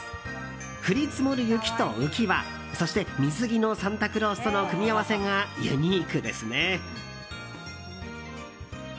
降り積もる雪と浮き輪そして水着のサンタクロースとの組み合わせがユニークですね。